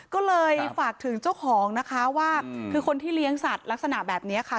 ก็เลยฝากถึงเจ้าของนะคะว่าคือคนที่เลี้ยงสัตว์ลักษณะแบบนี้ค่ะ